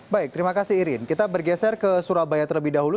baik terima kasih irin kita bergeser ke surabaya terlebih dahulu